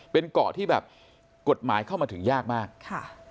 เป็นเกาะที่แบบกฎหมายเข้ามาถึงยากมากค่ะ